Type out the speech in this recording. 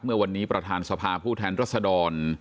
เมื่อวันนี้ประธานสภาผู้แทนรัศดร